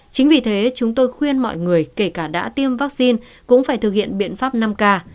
chính vì thế chúng tôi khuyên mọi người kể cả đã tiêm vaccine cũng phải thực hiện biện pháp năm k